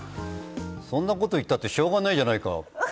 そんなこと言ったってしょうがないじゃないか。